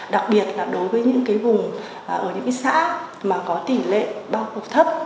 đặc biệt là đối với những vùng ở những xã mà có tỉ lệ bao phục thấp